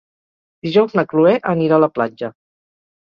Dijous na Cloè anirà a la platja.